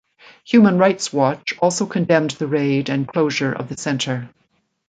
Human Rights Watch also condemned the raid and closure of the center.